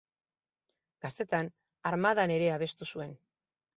Gaztetan, armadan ere abestu zuen.